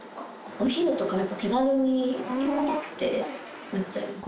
お昼とかやっぱ手軽に食べたくてなっちゃいます。